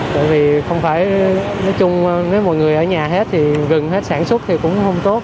bởi vì không phải nói chung nếu mọi người ở nhà hết thì rừng hết sản xuất thì cũng không tốt